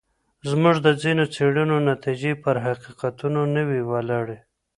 زموږ د ځینو څېړنو نتیجې پر حقیقتونو نه وي وولاړي.